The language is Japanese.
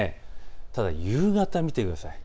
ただ夕方を見てください。